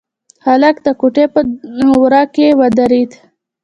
هلک د کوټې په وره کې ودرېد.